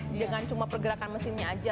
dengan cuma pergerakan mesinnya aja